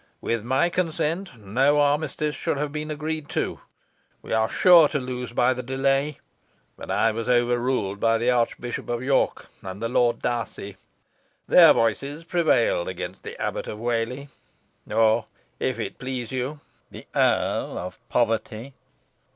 With my consent no armistice should have been agreed to. We are sure to lose by the delay. But I was overruled by the Archbishop of York and the Lord Darcy. Their voices prevailed against the Abbot of Whalley or, if it please you, the Earl of Poverty."